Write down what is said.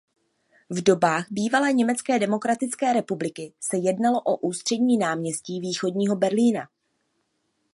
V dobách bývalé Německé demokratické republiky se jednalo o ústřední náměstí Východního Berlína.